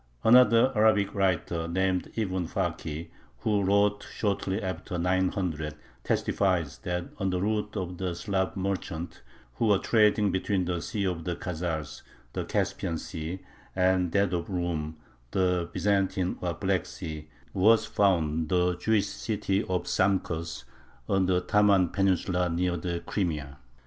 Another Arabic writer, named Ibn Fakih, who wrote shortly after 900, testifies that on the route of the "Slav merchants," who were trading between the Sea of the Khazars (the Caspian Sea) and that of Rum (the Byzantine or Black Sea), was found the Jewish city of Samkers, on the Taman Peninsula, near the Crimea.